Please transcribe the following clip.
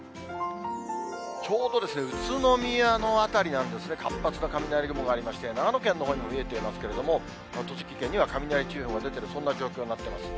ちょうど宇都宮の辺りなんですね、活発な雷雲がありまして、長野県のほうにも見えていますけれども、栃木県には雷注意報出てる、そんな状況になっています。